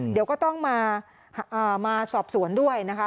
เดี๋ยวก็ต้องมาสอบสวนด้วยนะคะ